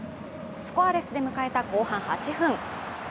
スコアレスで迎えた後半８分。